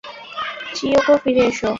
Chiyoko, ফিরে এসো!